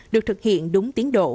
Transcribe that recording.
được thực hiện đúng tiến độ